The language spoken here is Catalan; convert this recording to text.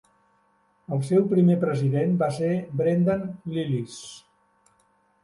El seu primer president va ser Brendan Lillis.